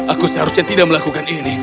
aku seharusnya tidak melakukan ini